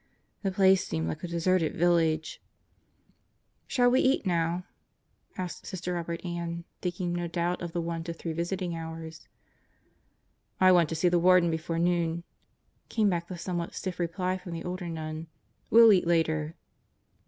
The place seemed like a deserted village. Birthdays in the Deathhouse 67 "Shall we eat now?" asked Sister Robert Ann, thinking no doubt of the 1 to 3 visiting hours. "I want to see the Warden before noon," came back the some what stiff reply from the older nun. "We'll eat later."